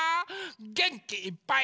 げんきいっぱい。